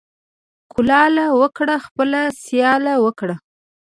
ـ کولاله وکړه خپله سياله وکړه.